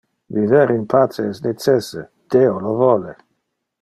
Viver in pace es necesse, Deo lo vole.